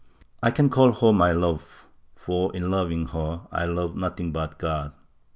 I can call her my love for, in loving her, I love nothing but God."